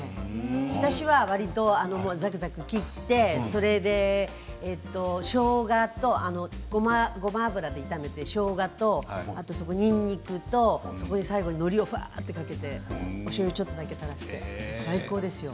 私は、わりとザクザク切ってごま油で炒めてしょうがとにんにくと最後にのりをかけておしょうゆちょっと垂らして最高ですよ。